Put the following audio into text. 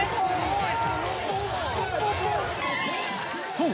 ◆そう！